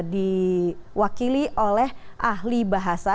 diwakili oleh ahli bahasa